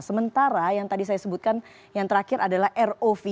sementara yang tadi saya sebutkan yang terakhir adalah rov